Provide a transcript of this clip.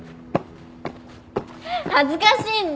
恥ずかしいんだ！